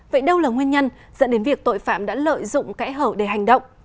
vậy đâu là nguyên nhân dẫn đến việc tội phạm đã lợi dụng kẽ hở để hành động